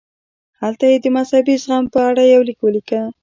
هلته یې د مذهبي زغم په اړه یو لیک ولیکه.